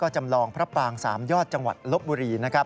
จำลองพระปางสามยอดจังหวัดลบบุรีนะครับ